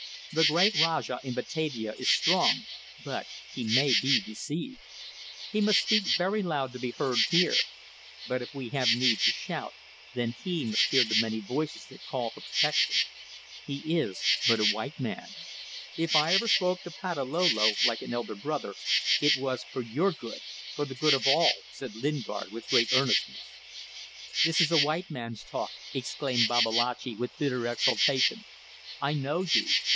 The great Rajah in Batavia is strong, but he may be deceived. He must speak very loud to be heard here. But if we have need to shout, then he must hear the many voices that call for protection. He is but a white man." "If I ever spoke to Patalolo, like an elder brother, it was for your good for the good of all," said Lingard with great earnestness. "This is a white man's talk," exclaimed Babalatchi, with bitter exultation. "I know you.